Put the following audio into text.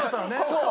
そう！